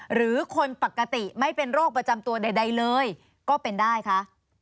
หรือคนปกติไม่เป็นโรคประจำตัวใดเลยก็เป็นได้คะ